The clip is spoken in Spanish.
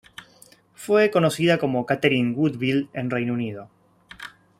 Fue conocida como Catherine Woodville en Reino Unido.